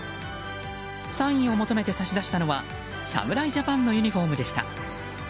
サインを求めて差し出したのは侍ジャパンのユニホームでした。